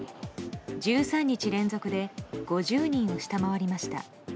１３日連続で５０人を下回りました。